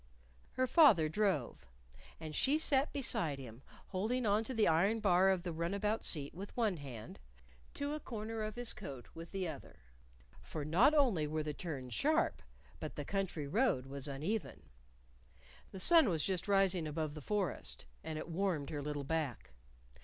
Her father drove. And she sat beside him, holding on to the iron bar of the runabout seat with one hand, to a corner of his coat with the other; for not only were the turns sharp but the country road was uneven. The sun was just rising above the forest, and it warmed her little back.